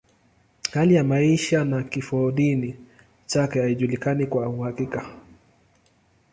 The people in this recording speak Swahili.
Hali ya maisha na kifodini chake haijulikani kwa uhakika.